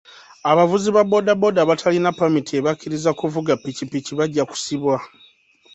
Abavuzi ba booda abatalina ppamiti ebakkiriza okuvuga ppikipiki bajja kusibwa.